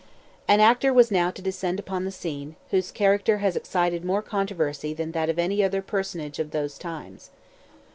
An actor was now to descend upon the scene, whose character has excited more controversy than that of any other personage of those times.